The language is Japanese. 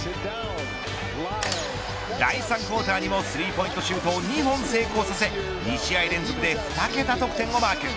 第３クオーターにもスリーポイントシュートを２本成功させ２試合連続で２桁得点をマーク。